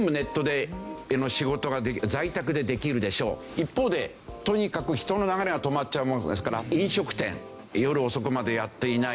一方でとにかく人の流れが止まっちゃうものですから飲食店夜遅くまでやっていない。